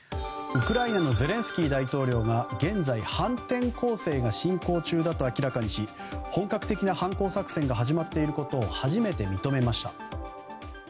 ウクライナのゼレンスキー大統領が現在、反転攻勢が進行中だと明らかにし本格的な反攻作戦が始まっていることを初めて認めました。